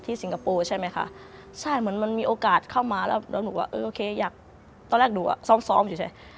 ตอนแรกหนูอ่ะซ้อมอยู่ใช่ไหม